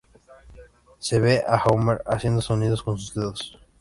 Se ve a Homer haciendo sonidos con sus dedos.